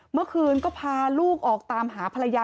เมื่อคืนก็พาลูกออกตามหาภรรยา